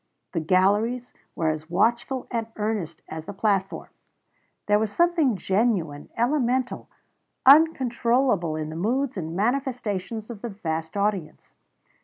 The galleries were as watchful and earnest as the platform. There was something genuine, elemental, uncontrollable in the moods and manifestations of the vast audience.